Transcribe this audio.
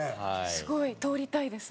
すごい通りたいです。